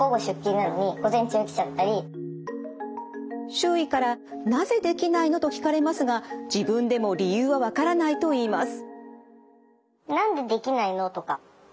周囲から「なぜできないの？」と聞かれますが自分でも理由は分からないといいます。